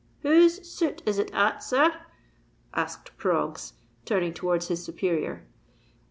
"Whose suit is it at, sir?" asked Proggs, turning towards his superior.